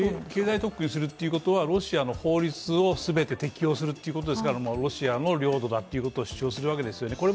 経済特区にするということはロシアの法律を全て適用するということですからロシアの領土だということを主張するわけですよね。